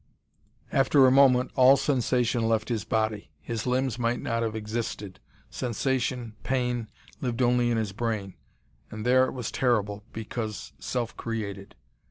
After a moment all sensation left his body. His limbs might not have existed. Sensation, pain, lived only in his brain and there it was terrible, because self created.